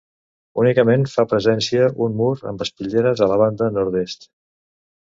Únicament fa presència un mur amb espitlleres a la banda nord-est.